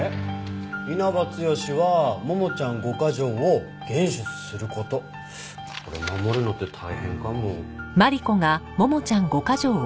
「稲葉剛は“ももちゃん５ヶ条”を厳守すること」これ守るのって大変かも。